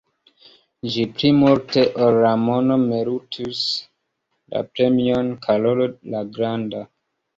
Ĝi pli multe ol la mono meritus la premion Karolo la Granda.